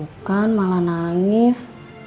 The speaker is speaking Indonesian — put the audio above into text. ya tuh kan malah nangis